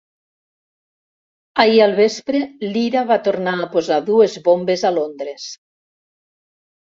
Ahir al vespre l'Ira va tornar a posar dues bombes a Londres.